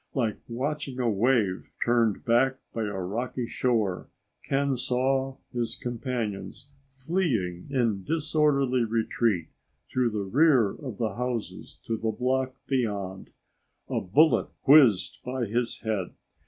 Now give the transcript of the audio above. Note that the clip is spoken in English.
Like watching a wave turned back by a rocky shore, Ken saw his companions fleeing in disorderly retreat through the rear of the houses to the block beyond. A bullet whizzed by his head.